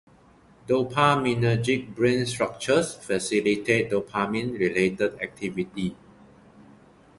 Dopaminergic brain structures facilitate dopamine-related activity.